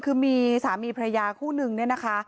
คือมีสามีพระยาคู่นึงเนี่ยนะคะ